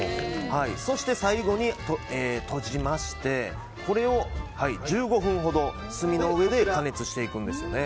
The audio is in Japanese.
そして最後に閉じましてこれを１５分ほど炭の上で加熱していくんですね。